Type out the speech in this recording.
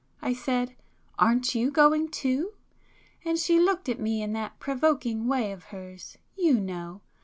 I said 'Aren't you going too?' and she looked at me in that provoking way of hers,—you know!